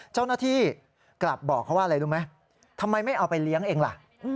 เจ้าหน้าที่กลับบอกเขาว่าอะไรรู้ไหมทำไมไม่เอาไปเลี้ยงเองล่ะ